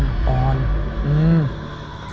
เอาดอกมะ